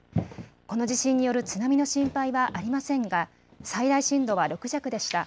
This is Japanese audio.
この地震による津波の心配はありませんが最大震度は６弱でした。